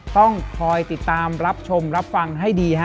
ต้องคอยติดตามรับชมรับฟังให้ดีฮะ